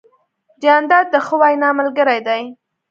جانداد د ښه وینا ملګری دی.